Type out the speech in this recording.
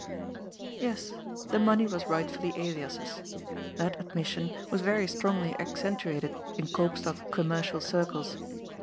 Yes, the money was rightfully Elias's. That admission was very strongly accentuated in Koopstad commercial circles.